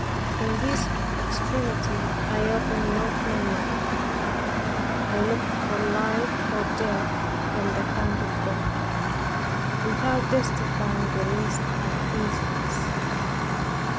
In this extremity I opened not my mouth. I looked for life or death from the hand of God, without testifying the least uneasiness.